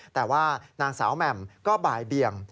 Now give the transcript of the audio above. แต่ว่านางสาวแหม่มก็บ่ายเบียง